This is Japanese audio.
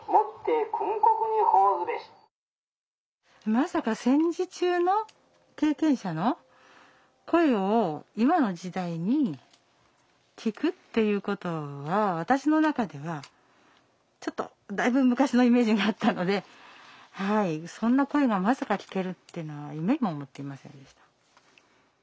まさか戦時中の経験者の声を今の時代に聞くっていうことは私の中ではちょっとだいぶ昔のイメージがあったのではいそんな声がまさか聞けるっていうのは夢にも思っていませんでした。